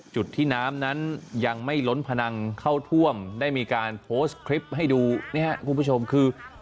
จุดที่น้ำนั้นยังไม่ล้นพนังเข้าท่วมได้มีการโพสต์คลิปให้ดูนี่ครับคุณผู้ชมคือ